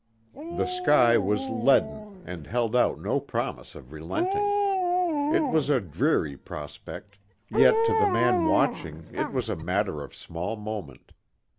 The sky was leaden, and held out no promise of relenting. It was a dreary prospect, yet to the man watching it was a matter of small moment.